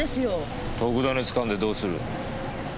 特ダネつかんでどうする？